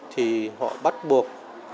thì họ bắt buộc